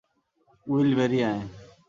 Will, বেরিয়ে আয়।